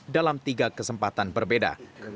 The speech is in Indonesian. dalam tiga kesempatan berbeda